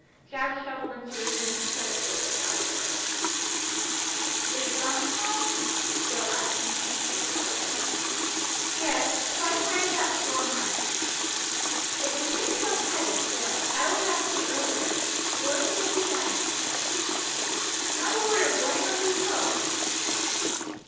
Jack shuffled into his room and shut his door without a word. "Is Bumps home?" Jill asked in a shamefaced way. "Yes, quite tired out, poor mite. If you put yourself tidy, Jill, I will have tea earlier. You look as if you want it." Not a word of blame or reproach!